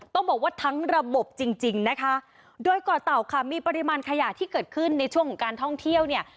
ต้องบอกว่าทั้งระบบจริงจริงนะคะโดยก่อเต่าค่ะมีปริมาณขยะที่เกิดขึ้นในช่วงของการท่องเที่ยวเนี่ย